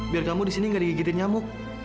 biar kamu di sini nggak digigitin nyamuk